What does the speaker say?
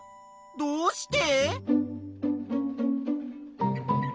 どうして？